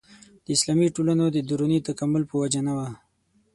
د اسلامي ټولنو د دروني تکامل په وجه نه وه.